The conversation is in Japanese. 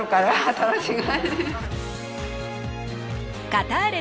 カターレ